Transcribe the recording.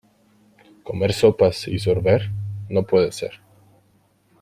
Comer sopas y sorber, no puede ser.